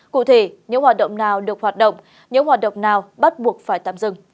cụ thể những hoạt động nào được hoạt động những hoạt động nào bắt buộc phải tạm dừng